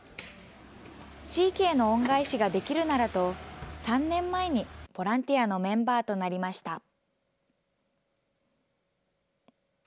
地域への恩返しができるならと、３年前にボランティアのメンバーとなりました。